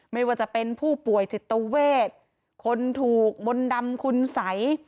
ไม่ว่าจะเป็นผู้ป่วยจิตเวทคนถูกมนต์ดำคุณสัย